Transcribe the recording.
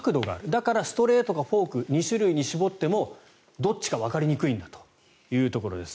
だからストレートとフォーク２種類に絞ってもどっちかわかりにくいんだというところです。